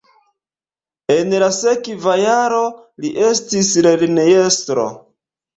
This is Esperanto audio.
En la sekva jaro li estis lernejestro.